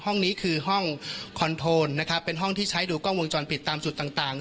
ห้องนี้คือห้องคอนโทนนะครับเป็นห้องที่ใช้ดูกล้องวงจรปิดตามจุดต่างต่าง